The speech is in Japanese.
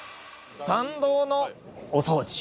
参道のお掃除